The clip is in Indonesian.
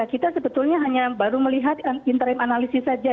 ya kita sebetulnya hanya baru melihat interim analisisnya